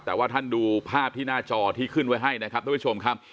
แต่ว่าท่านดูภาพที่หน้าจอที่ขึ้นไว้ให้นะครับทุกผู้ชมครับ